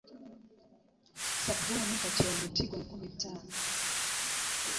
Sssabuuni kati omuti gwa nkumi ttaano .